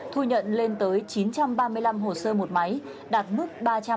thu nhận lên tới chín trăm ba mươi năm hồ sơ một máy đạt mức ba trăm một mươi hai